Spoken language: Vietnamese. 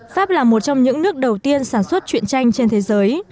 pháp là một trong những nước đầu tiên sản xuất chuyện tranh trên thế giới